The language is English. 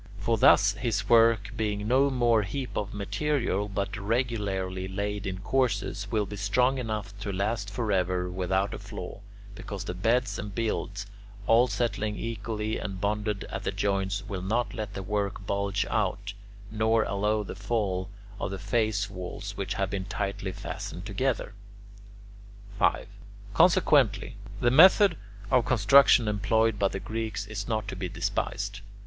For thus his work, being no mere heap of material but regularly laid in courses, will be strong enough to last forever without a flaw, because the beds and builds, all settling equally and bonded at the joints, will not let the work bulge out, nor allow the fall of the face walls which have been tightly fastened together. 5. Consequently, the method of construction employed by the Greeks is not to be despised.